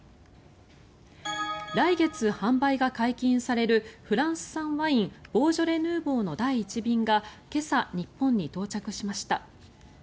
来月販売が解禁されるフランス産ワインボージョレ・ヌーボーの第１便が今朝、日本に到着しました。